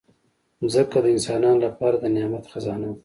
مځکه د انسانانو لپاره د نعمت خزانه ده.